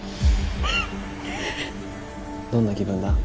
どんな気分だ？